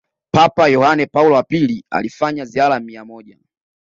Papa Yohane Paulo wa pili alifanya ziara mia moja